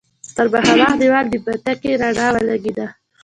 پر مخامخ دېوال د بتۍ رڼا ولګېده.